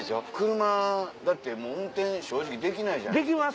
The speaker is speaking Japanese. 車だってもう運転正直できないじゃないですか。